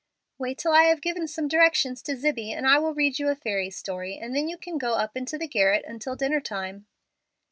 "Wait till I have given some directions to Zibbie, and I will read you a fairy story, and then you can go up into the garret until dinner time."